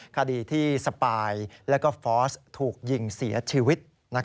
คดีที่สปายและก็ฟอสถูกยิงเสียชีวิต